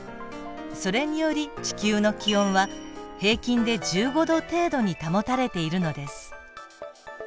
それにより地球の気温は平均で１５℃程度に保たれているのです。